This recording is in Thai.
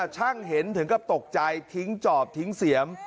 ช่างเห็นถึงกับตกใจทิ้งจอบทิ้งเสียม